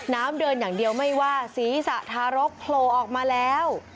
น้ำเดินอย่างเดียวไม่ว่าศีรษะทารกโผล่ออกมาแล้ว